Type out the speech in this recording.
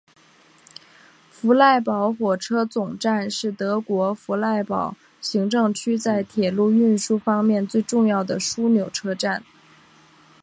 弗赖堡火车总站是德国弗赖堡行政区在铁路运输方面最重要的枢纽车站。